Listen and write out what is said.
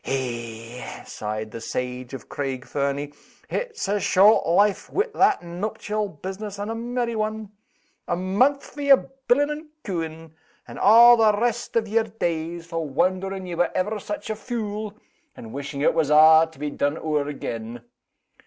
Eh!" sighed the sage of Craig Fernie, "it's a short life wi' that nuptial business, and a merry one! A mouth for yer billin' and cooin'; and a' the rest o' yer days for wondering ye were ever such a fule, and wishing it was a' to be done ower again.